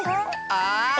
ああ！